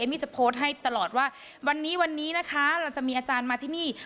มี่จะโพสต์ให้ตลอดว่าวันนี้วันนี้นะคะเราจะมีอาจารย์มาที่นี่